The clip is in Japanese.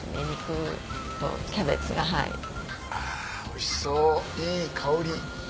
あおいしそういい香り。